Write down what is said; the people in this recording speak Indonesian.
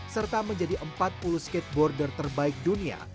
serta menjadi empat puluh skateboarder terbaik dunia